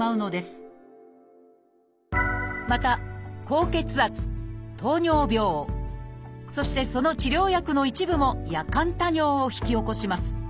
また高血圧・糖尿病そしてその治療薬の一部も夜間多尿を引き起こします。